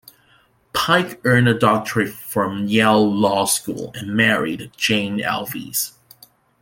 Pike earned a doctorate from Yale Law School and married Jane Alvies.